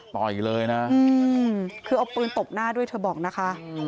ต่ออีกเลยนะอืมคือเอาปืนตบหน้าด้วยเธอบอกนะคะ